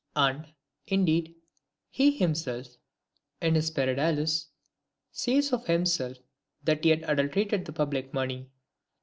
And, indeed, he himself, in his Perdalus, says of himself that he had adulterated the public money.